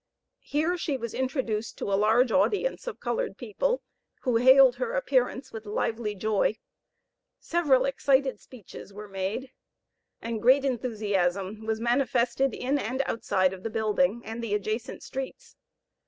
Here she was introduced to a large audience of colored people, who hailed her appearance with lively joy; several excited speeches were made, and great enthusiasm was manifested in and outside of the building and the adjacent streets.